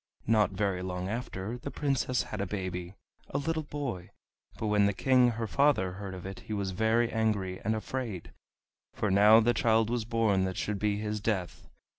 Not very long after, the Princess had a baby, a little boy, but when the King her father heard of it he was very angry and afraid, for now the child was born that should be his death.